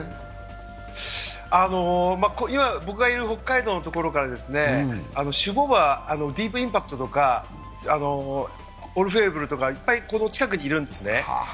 今、僕がいる北海道から種牡馬、ディープインパクトとか、オルフェイブルとかいっぱい、この近くにいるんですね。